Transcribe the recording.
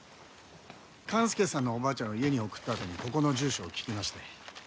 勘介さんのおばあちゃんを家に送ったあとにここの住所を聞きまして。